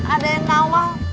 ada yang nawal